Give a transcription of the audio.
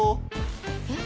えっ？